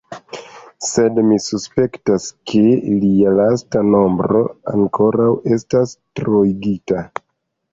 Sed mi suspektas, ke lia lasta nombro ankoraŭ estas troigita.